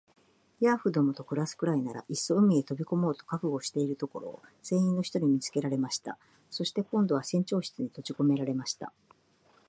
ヤーフどもと暮すくらいなら、いっそ海へ飛び込もうと覚悟しているところを、船員の一人に見つけられました。そして、今度は船長室にとじこめられました。